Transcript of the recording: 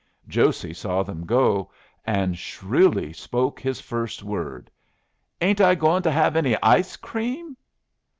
Josey saw them go, and shrilly spoke his first word: "Ain't I going to have any ice cream?"